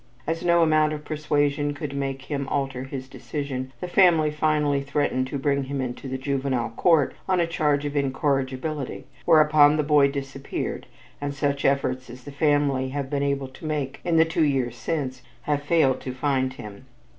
As no amount of persuasion could make him alter his decision, the family finally threatened to bring him into the Juvenile Court on a charge of incorrigibility, whereupon the boy disappeared and such efforts as the family have been able to make in the two years since, have failed to find him.